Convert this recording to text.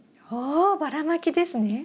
おばらまきですね？